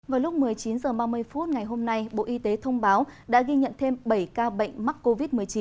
vào lúc một mươi chín h ba mươi phút ngày hôm nay bộ y tế thông báo đã ghi nhận thêm bảy ca bệnh mắc covid một mươi chín